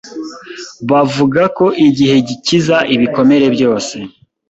Bavuga ko igihe gikiza ibikomere byose.